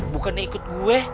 bukannya ikut gue